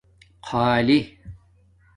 خآلی